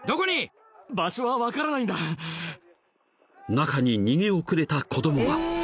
［中に逃げ遅れた子供が］